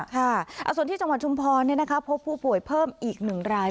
ค่ะส่วนที่จังหวัดชุมพรเนี่ยนะคะพบผู้ป่วยเพิ่มอีกหนึ่งราย